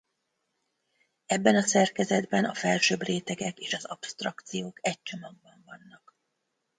Ebben a szerkezetben a felsőbb rétegek és az absztrakciók egy csomagban vannak.